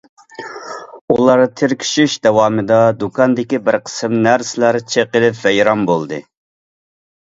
ئۇلار تىركىشىش داۋامىدا دۇكاندىكى بىر قىسىم نەرسىلەر چېقىلىپ ۋەيران بولدى.